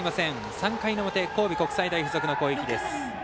３回の表、神戸国際大付属の攻撃。